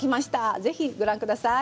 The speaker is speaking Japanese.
ぜひご覧ください。